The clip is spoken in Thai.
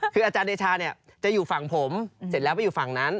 คืออาจารย์เดชาเนี่ยจะอยู่ฝั่งผมเสร็จแล้วไปอยู่ฝั่งนั้น